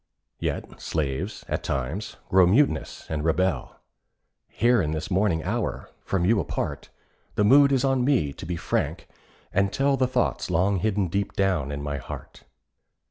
Yet slaves, at times, grow mutinous and rebel. Here in this morning hour, from you apart, The mood is on me to be frank and tell The thoughts long hidden deep down in my heart.